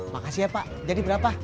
makasih ya pak jadi berapa